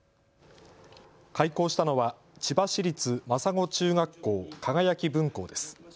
開校したのは千葉市立真砂中学校かがやき分校です。